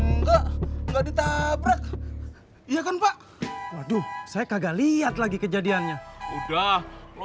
enggak enggak ditabrak iya kan pak waduh saya kagak lihat lagi kejadiannya udah